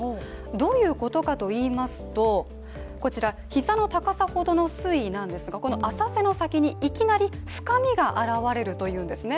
どういうことかといいますと膝の高さほどの水位なんですが浅瀬の先に、いきなり深みが現れるというんですね。